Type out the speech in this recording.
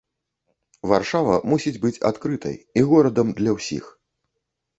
Варшава мусіць быць адкрытай, і горадам для ўсіх.